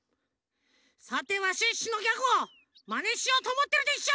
さてはシュッシュのギャグをまねしようとおもってるでしょ！？